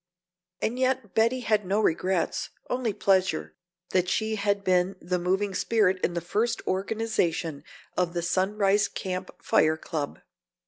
And yet Betty had no regrets, only pleasure, that she had been the moving spirit in the first organization of the Sunrise Camp Fire club.